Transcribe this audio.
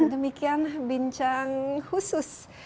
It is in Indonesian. demikian bincang khusus